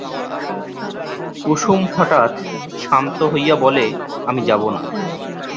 কুসুম হঠাৎ শান্ত হইয়া বলে, আমি যাব না।